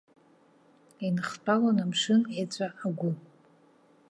Инхтәалон амшын еҵәа агәы.